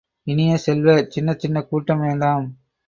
இனிய செல்வ, சின்னச் சின்னக் கூட்டம் வேண்டாம்.